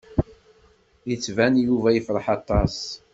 Yettban-d Yuba yefṛeḥ aṭas.